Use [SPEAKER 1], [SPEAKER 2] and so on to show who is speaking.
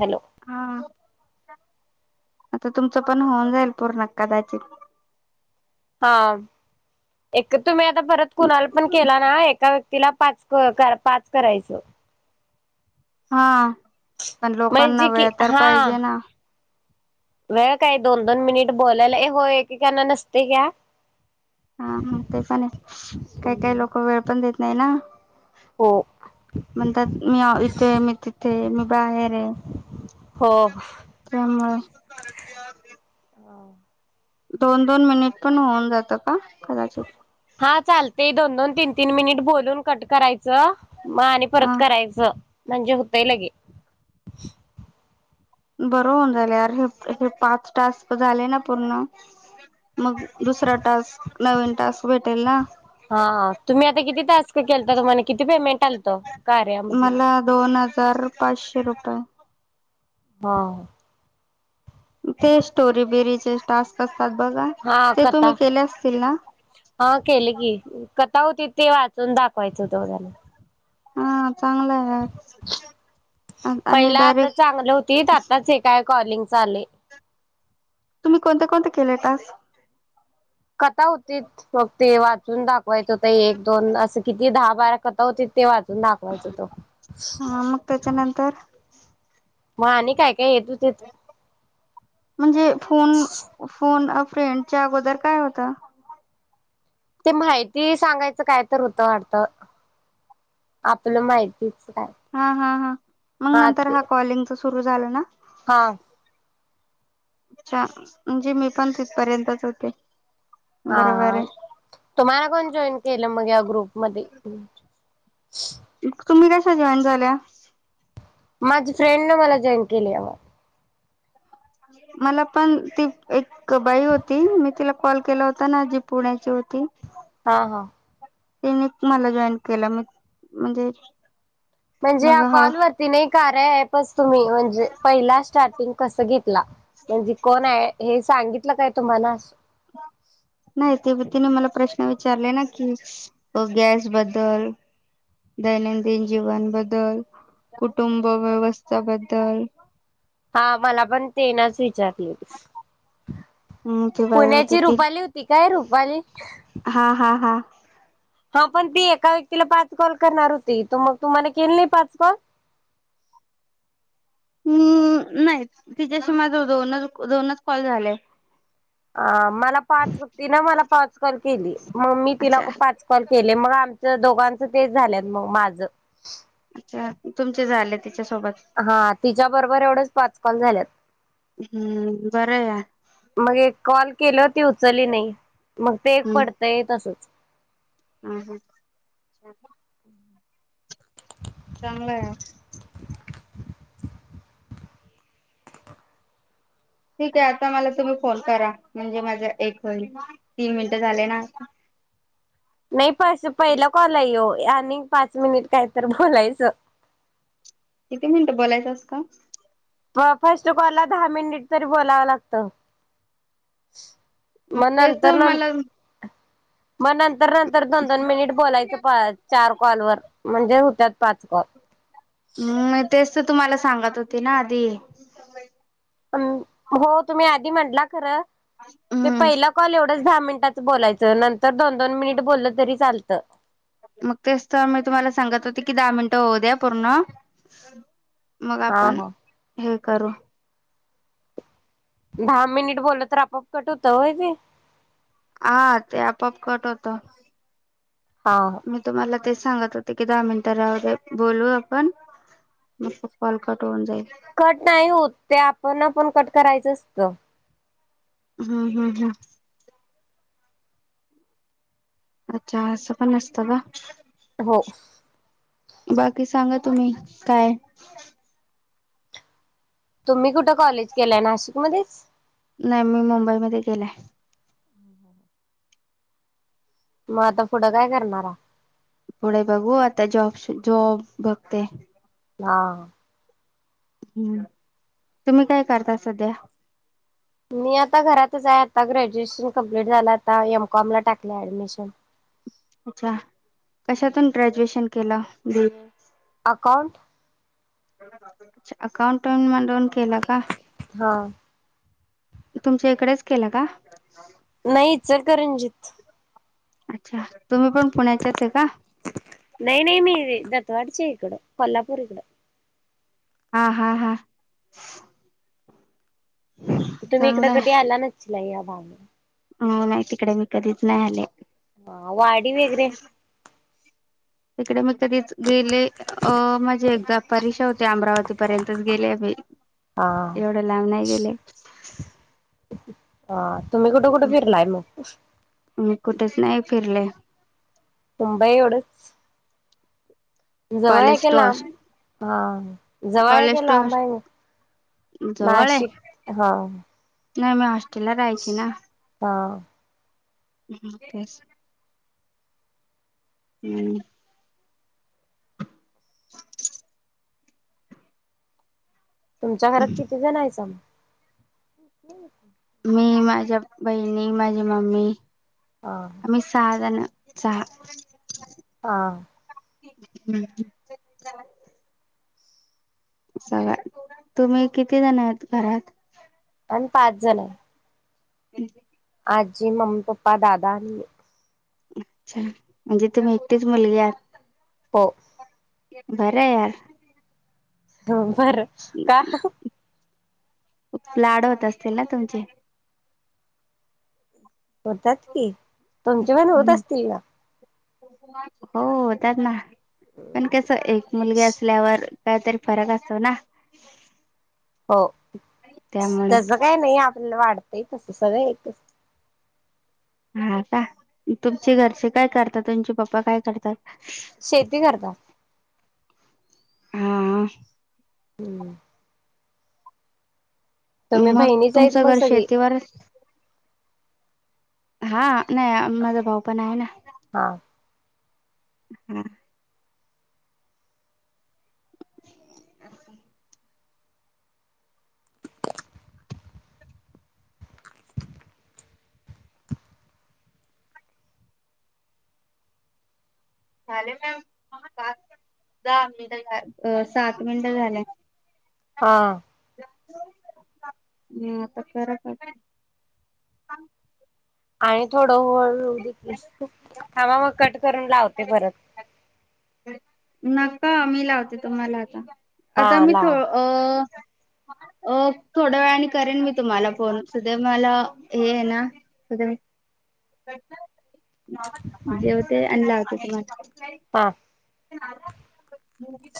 [SPEAKER 1] Hello
[SPEAKER 2] हा. आता तुमचं पण होऊन जाईल पूर्ण कदाचित.
[SPEAKER 1] हा, एक तुम्ही आता परत कुणाला पण केला ना एका व्यक्तीला पाच पाच करायचं.
[SPEAKER 2] हा. पण
[SPEAKER 1] म्हणजे
[SPEAKER 2] लोकांना
[SPEAKER 1] कि
[SPEAKER 2] वेळ तर
[SPEAKER 1] हा
[SPEAKER 2] पाहिजे ना?
[SPEAKER 1] वेळ काय दोन दोन मिनिट बोलायला, होय एके काणा नसतोय घ्या.
[SPEAKER 2] हा हा ते पण आहे काही काही लोक वेळ पण देत नाही ना.
[SPEAKER 1] हो
[SPEAKER 2] म्हणतात मी इथेय मी तिथे मी बाहेर आहे.
[SPEAKER 1] हो.
[SPEAKER 2] [unintelligible]
[SPEAKER 1] [unintelligible]
[SPEAKER 2] दोन दोन मिनिट पण होऊन जातं का कदाचित.
[SPEAKER 1] हा चालते दोन दोन तीन तीन मिनिट बोलून कट करायचं. म आणि परत
[SPEAKER 2] हा
[SPEAKER 1] करायचं. म्हणजे होताय लगे.
[SPEAKER 2] बरं होऊन झाले अर हे हे पाच टास्क झाले ना पूर्ण मग दुसरा टास्क नवीन टास्क भेटेल ना.
[SPEAKER 1] हा तुम्ही आता किती टास्क केलता तुम्हाना किती पेमेंट आलत कार्या मध्ये.
[SPEAKER 2] तर पाचशे रुपये.
[SPEAKER 1] हा.
[SPEAKER 2] ते स्टोरी बेरीज ते टास्क अस
[SPEAKER 1] हा कथा
[SPEAKER 2] ना
[SPEAKER 1] हा केले की, कथा होती ति वाचून दाखवायचं तेवमंच.
[SPEAKER 2] हा चांगला आहे आणि
[SPEAKER 1] पहिला आता
[SPEAKER 2] डायरेक्ट
[SPEAKER 1] चांगलं होती आत्ताच हे काय कॉलिंग चालू आहे
[SPEAKER 2] तुम्ही कोणते कोणते केले टास्क
[SPEAKER 1] कथा होती फक्त हे वाच चून दाख वायच होत एक दोन असं किती दहा बारा कथा होती ते वाच
[SPEAKER 2] हा मग त्याच्यानंतर
[SPEAKER 1] मग आणि काय काय येत होतीत
[SPEAKER 2] म्हणजे फोन फोन फ्रेंडच्या अगोदर काय होता.
[SPEAKER 1] ते माहिती सांगायचं काय तर होतं वाटत आपलं माहिती
[SPEAKER 2] हा हा ह मग नंतर हा
[SPEAKER 1] ते
[SPEAKER 2] कॉलिंग च सुरू झालं ना.
[SPEAKER 1] हा
[SPEAKER 2] अच्छा, म्हणजे मी पण तिथपर्यंतच होते.
[SPEAKER 1] हा
[SPEAKER 2] बरोबर आहे
[SPEAKER 1] तुम्हाला कोण जॉईन केलं मग या ग्रुप मध्ये?
[SPEAKER 2] तुम्ही कश्या जॉईन झाल्या?
[SPEAKER 1] माझी फ्रेंन्ड न मला जॉईन केली यावर.
[SPEAKER 2] मला पण ती एक बाई होती. मी तिला कॉल केला होता ना जी पुण्याची होती.
[SPEAKER 1] हा हा
[SPEAKER 2] त्यांने मला जॉईन केला मी म्हणजे,
[SPEAKER 1] म्हणजे
[SPEAKER 2] मग
[SPEAKER 1] हा
[SPEAKER 2] हळू
[SPEAKER 1] कॉल वरती नाही कार्या एप तुम्ही म्हणजे पहिला स्टार्ट टींग कसं घेत ला म्हणजे कोण आहे. हे सांगित ल काय तुम्हाला
[SPEAKER 2] नाही ते तिने मला प्रश्न विचारलेला ना कि गॅस बद्दल, दैनंदिन जीवन बद्दल, कुटुंब व्यवस्था बद्दल,
[SPEAKER 1] हा मला पण तेन च विचारलेली
[SPEAKER 2] ते बाई होते
[SPEAKER 1] पुण्याची
[SPEAKER 2] ते
[SPEAKER 1] रुपाली होती काय रुपाली
[SPEAKER 2] हा हा हा
[SPEAKER 1] हं पण ती एका व्यक्तीला पाच कॉल करणार होती. तर मग तुम्हाला केली नाही पाच कॉल?
[SPEAKER 2] हम् नाही. तिच्याशी माझ दोनच दोनच कॉल झाल्यात.
[SPEAKER 1] हा मला पाच तिन मला पाच कॉल केली मग मी तिला
[SPEAKER 2] अच्छा
[SPEAKER 1] पाच कॉल केली. ते मग आमच दोघांच तेच झालंत मग माझं.
[SPEAKER 2] तुमचे झाले ते.
[SPEAKER 1] हा तिच्या बरोबर एवढच पाच कॉल झालेत
[SPEAKER 2] हम्म बरं आहे यार
[SPEAKER 1] मग एक कॉल केलं ती उचली नाही मग ते एक पडतंय तसच.
[SPEAKER 2] हम् हम् चांगलय ठीक आहे आता मला तुम्ही फोन करा म्हणजे माझ्या एक होईल तीन मिनट झाले ना
[SPEAKER 1] नाई फस पहिला कॉलये यो आणि पाच मिनिट काय तर बोलायच
[SPEAKER 2] ते म्हणत बोलायचंस का
[SPEAKER 1] फर्स्ट कॉल ला दहा मिनिट तरी बोलावं लागत म
[SPEAKER 2] तेच
[SPEAKER 1] नंतर नं
[SPEAKER 2] मला
[SPEAKER 1] मग नंतर नंतर दोन दोन मिनिट बोलायचं चार कॉल वर म्हणजे होत्यात पाच कॉल
[SPEAKER 2] स तुम्हाला सांगत होते ना आधी
[SPEAKER 1] हो तुम्ही आधी म्हटला खरं ते
[SPEAKER 2] हम्म
[SPEAKER 1] पहिला कॉल एवढंच दहा मिनिटात बोलायचं नंतर दोन दोन मिनिट बोललं तरी चालतं.
[SPEAKER 2] मग तेच तर मी तुम्हाला सांगत होते की दहा मिनट तो हुद्या पूर्ण मग
[SPEAKER 1] हा
[SPEAKER 2] आपण
[SPEAKER 1] हा.
[SPEAKER 2] हहम्म करू
[SPEAKER 1] दहा मिनिट बोल तर आपआप कट होतं वय ते
[SPEAKER 2] हा ते आपाप कट होत
[SPEAKER 1] हा हा.
[SPEAKER 2] मी तुम्हाला ते च सांगत होते की दहा मिनिटाला बोलू आपण मग कॉल कट होऊून जाईल
[SPEAKER 1] कट नाही होत ते आपण पण कट करायचं असत
[SPEAKER 2] हम्म हम्म हम्म अच्छा असं पण असतं ग
[SPEAKER 1] हो
[SPEAKER 2] बाकी सांगा तुम्ही काय
[SPEAKER 1] तुम्ही कुठं कॉलेज केलाय नाशिक मध्येच
[SPEAKER 2] नाही मी मुंबईमध्येध्ये गेलाय
[SPEAKER 1] मग आता पुढं काय करणारा
[SPEAKER 2] पुढे बघू आता जॉब जॉब बघते
[SPEAKER 1] हा
[SPEAKER 2] हम्म तुम्ही काय करता सध्या
[SPEAKER 1] मी आता घरातच आहे आता ग्रॅज्युएशन कमप्लीट झालं आता एमकॉम ला टाकले ऍडमिशन
[SPEAKER 2] अच्छा कशातून ग्रॅज्युएशन केला ब
[SPEAKER 1] कान
[SPEAKER 2] अछ अकाउट [unintelligible] म न केला का
[SPEAKER 1] हा
[SPEAKER 2] तुमच्या इकडेच केलं का.
[SPEAKER 1] नाही इचलकरंजीत
[SPEAKER 2] अच्छा तुम्ही पण पुण्याच्याच आहे का?
[SPEAKER 1] दत्तवाड चेईकड कोलपूरीकड
[SPEAKER 2] हा हा हा
[SPEAKER 1] तुम्ही इकडं
[SPEAKER 2] चांगला
[SPEAKER 1] कधी आला न ल याबाग [unintelligible]
[SPEAKER 2] हं नाही मी तिकडे कधी च नाही आले.
[SPEAKER 1] हा वाडी वेगैरे
[SPEAKER 2] तिकडे मी कधीच गेले अ म्हणजे एकदा परिक्षा होते अमरावती पर्यंतच गेले मी.
[SPEAKER 1] हा
[SPEAKER 2] एवढं लाब नाही गेले.
[SPEAKER 1] हा तुम्ही कुठे कुठे फिरलाय मग
[SPEAKER 2] मी कुठेच नाही फिरले
[SPEAKER 1] मुंबई एवढंच जवळ
[SPEAKER 2] कॉलेज
[SPEAKER 1] की
[SPEAKER 2] टू
[SPEAKER 1] लांब
[SPEAKER 2] हॉस्
[SPEAKER 1] हा जवळ
[SPEAKER 2] कॉलेज
[SPEAKER 1] की
[SPEAKER 2] टू
[SPEAKER 1] लांब
[SPEAKER 2] हॉस्
[SPEAKER 1] आहे.
[SPEAKER 2] जवळ आहे
[SPEAKER 1] नाशिक हा
[SPEAKER 2] नाही म ला राहायची ना.
[SPEAKER 1] हा
[SPEAKER 2] हम तेस हम्म [unintelligible]
[SPEAKER 1] तुमच्या घरात किती जण आहेसा मग ह
[SPEAKER 2] मी, माझ्या बहिणी, माझी मम्मी,
[SPEAKER 1] हा
[SPEAKER 2] आम्ही सहा जण सहा
[SPEAKER 1] हा
[SPEAKER 2] ह सगळ तुम्ही किती जण आहेत घरात
[SPEAKER 1] आणि पाच जण आहे.
[SPEAKER 2] हम्
[SPEAKER 1] आजी मम्मी पप्पा दादा आणि मी
[SPEAKER 2] अच्छा म्हणजे तुम्ही एकटीच मुलगी आहात.
[SPEAKER 1] हो
[SPEAKER 2] बरं यारं
[SPEAKER 1] हा बर का.
[SPEAKER 2] खूप लाडवत असतील ना तुमचे
[SPEAKER 1] होतात कि तुमचे पण होत
[SPEAKER 2] हम्म
[SPEAKER 1] असतील ना
[SPEAKER 2] हो त्यात ना पण कस एक मुलगी असल्यावर काहीतरी फरक असतो ना
[SPEAKER 1] हो
[SPEAKER 2] त्यामुळे
[SPEAKER 1] तस काय नाही आपल्याला वाटत ते तस सगळं एकच
[SPEAKER 2] हा का तुमचे घरचे काय करतात तुमचे पप्पा काय करतात
[SPEAKER 1] शेती करता
[SPEAKER 2] हा
[SPEAKER 1] हम्म तुम्ही
[SPEAKER 2] मग
[SPEAKER 1] बहिणीच आहेत
[SPEAKER 2] तुमचं
[SPEAKER 1] मग
[SPEAKER 2] घर
[SPEAKER 1] सगळी
[SPEAKER 2] शेतीवर हा नाही माझा भाऊ पण आहे ना
[SPEAKER 1] हा
[SPEAKER 2] हा अच्छा झाले मॅ पा दहा मिनिट झा सात मिनटं झाले
[SPEAKER 1] हा
[SPEAKER 2] हता खर
[SPEAKER 1] आणि थोडं होळ देखील ांबा मग कट करून लावतो ते परत
[SPEAKER 2] नका मी लावते तुम्हाला आता
[SPEAKER 1] हा
[SPEAKER 2] आता मी थो
[SPEAKER 1] लाव
[SPEAKER 2] अ अ थोड्या वेळाने करेन मी तुम्हाला फोन सध मला हे आहे ना जे होते आणिलाते [unintelligible]
[SPEAKER 1] हा
[SPEAKER 2] [inaudible] मवी